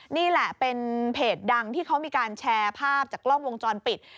นี่แหละเป็นเพจดังที่เขามีการแชร์ภาพจากกล้องวงจรปิด